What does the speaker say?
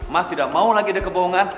mas tidak mau lagi ada kebohongan